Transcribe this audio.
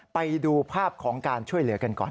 ไปดูภาพของการช่วยเหลือกันก่อน